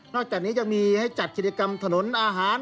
อกจากนี้ยังมีให้จัดกิจกรรมถนนอาหาร